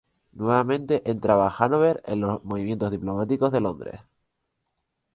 Nuevamente entraba Hanover en los movimientos diplomáticos de Londres.